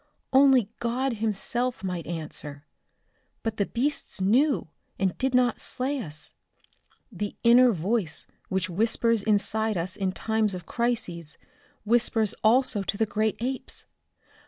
Only God Himself might answer. But the beasts knew, and did not slay us. The inner voice which whispers inside us in times of crises, whispers also to the great apes!